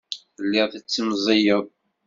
Telliḍ tettimẓiyeḍ.